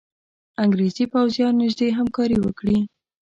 انګرېزي پوځیان نیژدې همکاري وکړي.